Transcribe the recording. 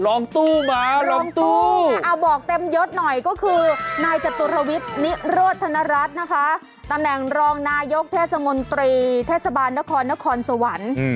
ตู้มารองตู้เอาบอกเต็มยศหน่อยก็คือนายจตุรวิทย์นิโรธนรัฐนะคะตำแหน่งรองนายกเทศมนตรีเทศบาลนครนครสวรรค์